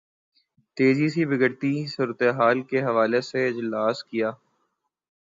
تیزی سے بگڑتی صورت حال کے حوالے سے اجلاس کیا